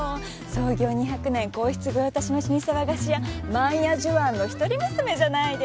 創業２００年皇室御用達の老舗和菓子屋万屋寿庵の一人娘じゃないですか。